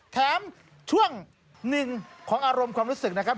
แถมช่วงหนึ่งของอารมณ์ความรู้สึกนะครับ